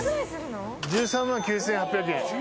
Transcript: １３万９，８００円。